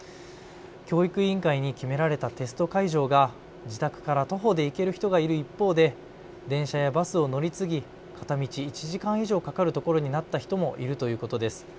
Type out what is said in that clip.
教育委員会に決められたテスト会場が、自宅から徒歩で行ける人がいる一方で電車やバスを乗り継ぎ片道１時間以上かかるところになった人もいるということです。